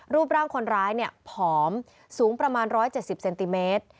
รูปร่างคนร้ายผอมสูงประมาณ๑๗๐เซนติเมตร